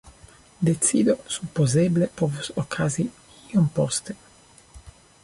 Decido supozeble povus okazi iom poste.